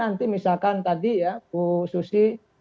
jadi misalnya dipelan tas compraki